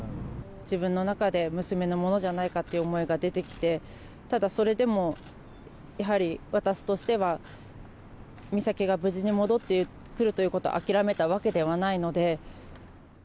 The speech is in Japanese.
自分の中で娘のものじゃないかっていう思いが出てきて、ただそれでも、やはり私としては、美咲が無事に戻ってくるということを諦めたわけではないので。